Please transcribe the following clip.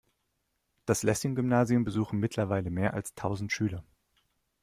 Das Lessing-Gymnasium besuchen mittlerweile mehr als tausend Schüler.